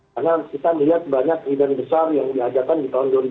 karena kita melihat banyak kejahatan besar yang diajarkan di tahun dua ribu dua puluh dua